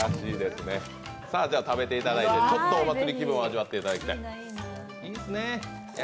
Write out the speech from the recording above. じゃあ、食べていただいてちょっとお祭り気分を味わっていただきたい。